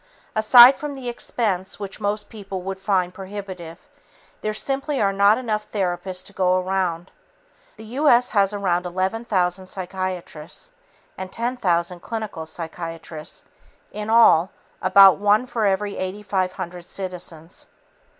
Aside from the expense, which most people would find prohibitive, there simply are not enough therapists to go around. The U. S. has around 11,000 psychiatrists and 10,000 clinical psychologists in all, about one for every 8,500 citizens.